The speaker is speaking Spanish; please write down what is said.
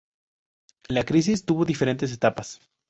La crisis tuvo diferentes etapas.